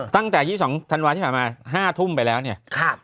ตั้งแต่๒๒ธันวาที่ผ่านมา๕ทุ่มไปแล้วเนี่ย